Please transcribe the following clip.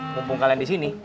kumpul kalian disini